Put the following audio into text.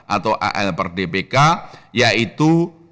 atau al per dpk yaitu